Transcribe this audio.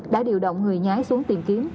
đã điều động người nhái xuống tìm kiếm